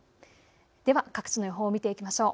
では各地の予報を見ていきましょう。